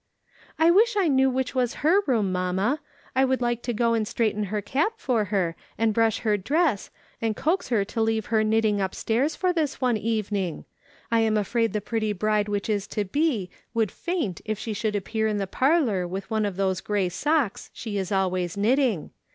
" I wish I knew which was her room, mamma ; I would like to go and straighten her cap for her, and brush her dress, and coax her to leave her knitting upstairs for this one evening. I am afraid the pretty bride that is to be would faint if she should appear in the parlour with one of those grey socks she is always knitting.